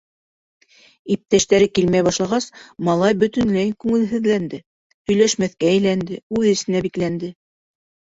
Иптәштәре килмәй башлағас, малай бөтөнләй күңелһеҙләнде, һөйләшмәҫкә әйләнде, үҙ эсенә бикләнде.